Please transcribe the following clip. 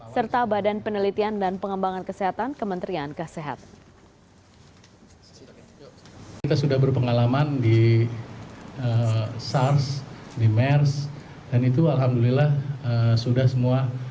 serta badan penelitian dan pengembangan kesehatan kementerian kesehatan